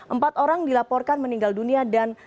empat orang dilaporkan meninggal dunia dan